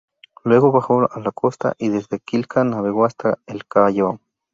Luego bajó a la costa y desde Quilca navegó hasta el Callao.